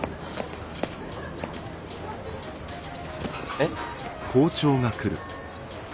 えっ。